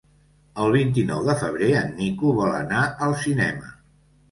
El vint-i-nou de febrer en Nico vol anar al cinema.